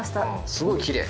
すごいきれい。